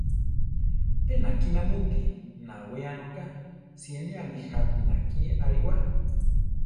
Pe nakí namúti, nawéa noka; sinéami jápi náki alíwa.